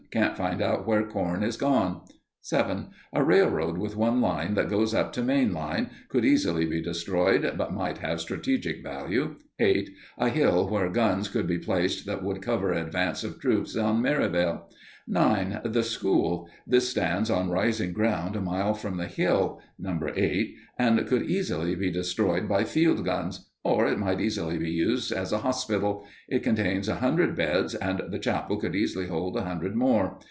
Can't find out where corn is gone._ 7. A railroad with one line that goes up to main line. Could easily be destroyed, but might have strategic value. 8. A hill where guns could be placed that would cover advance of troops on Merivale. 9. _The school. This stands on rising ground a mile from the hill, No. 8, and could easily be destroyed by field guns. Or it could easily be used as a hospital. It contains a hundred beds, and the chapel could easily hold a hundred more.